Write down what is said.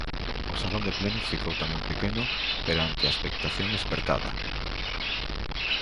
O salón de plenos ficou tamén pequeno perante a expectación espertada.